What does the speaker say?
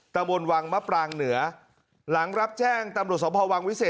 ตะบนวังมะปรางเหนือหลังรับแจ้งตำรวจสมภาวังวิเศษ